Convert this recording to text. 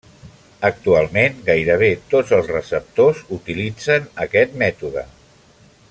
Actualment, gairebé tots els receptors utilitzen aquest mètode.